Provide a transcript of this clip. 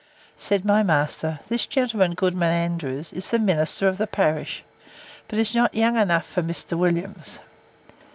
Said my master, This gentleman, Goodman Andrews, is the minister of the parish; but is not young enough for Mr. Williams.